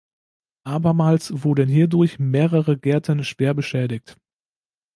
Abermals wurden hierdurch mehrere Gärten schwer beschädigt.